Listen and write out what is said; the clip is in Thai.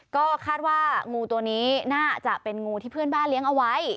ก็คาดว่างูตัวนี้น่าจะเป็นงูที่เพื่อนบ้านเลี้ยงเอาไว้